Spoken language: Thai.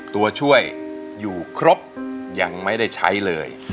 ตัวช่วยอยู่ครบยังไม่ได้ใช้เลย